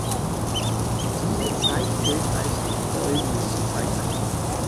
Diese Zeit gilt als „Goldenes Zeitalter“.